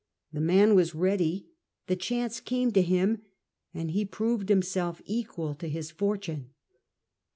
The man was ready, the chance came to lum, and lie proved himself equal to his fortune.